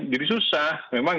jadi susah memang